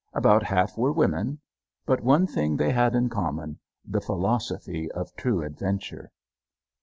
About half were women. But one thing they had in common the philosophy of true adventure.